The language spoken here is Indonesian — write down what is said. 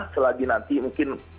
selagi nanti mungkin